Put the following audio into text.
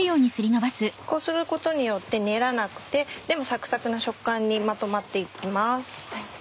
こうすることによって練らなくてでもサクサクの食感にまとまって行きます。